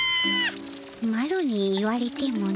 マロに言われてもの。